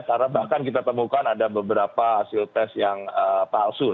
karena bahkan kita temukan ada beberapa hasil tes yang palsu